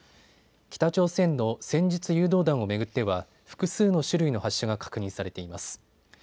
北朝鮮の戦術誘導弾を巡っては複数の種類の発射が確認されています。